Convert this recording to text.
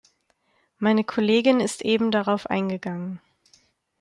Meine Kollegin ist eben darauf eingegangen.